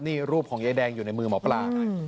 นี่รูปของยายแดงอยู่ในมือหมอปลานะ